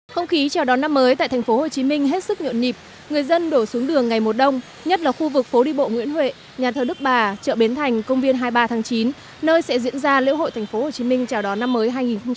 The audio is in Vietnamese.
không khí chào đón năm mới tại tp hcm hết sức nhộn nhịp người dân đổ xuống đường ngày mùa đông nhất là khu vực phố đi bộ nguyễn huệ nhà thờ đức bà chợ bến thành công viên hai mươi ba tháng chín nơi sẽ diễn ra lễ hội tp hcm chào đón năm mới hai nghìn hai mươi